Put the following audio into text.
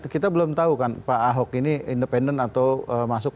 kita belum tahu kan pak ahok ini independen atau masuk